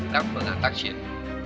đã phương án tác chiến